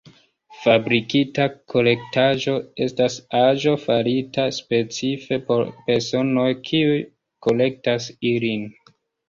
Fabrikita kolektaĵo estas aĵo farita specife por personoj kiuj kolektas ilin.